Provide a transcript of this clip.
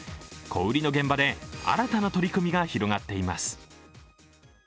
小売りの現場で新たな取り組みが広がっています。